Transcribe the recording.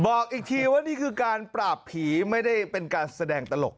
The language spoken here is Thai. บอกอีกทีว่านี่คือการปราบผีไม่ได้เป็นการแสดงตลก